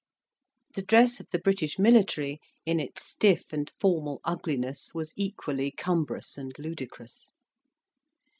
The dress of the British military, in its stiff and formal ugliness, was equally cumbrous and ludicrous.